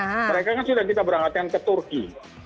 mereka kan sudah kita berangkatkan ke turki